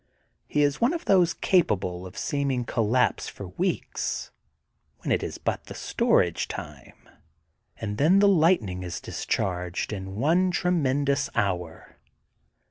He is one of those capable of seeming collapse for weeks, when it is but the storage time, and then the lightning is discharged in one tre mendous hour.